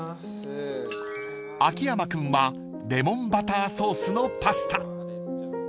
［秋山君はレモンバターソースのパスタ］